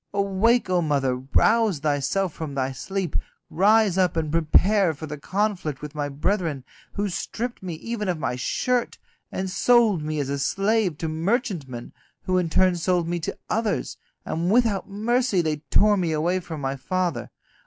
Awake, O mother, rouse thyself from thy sleep, rise up and prepare for the conflict with my brethren, who stripped me even of my shirt, and sold me as a slave to merchantmen, who in turn sold me to others, and without mercy they tore me away from my father.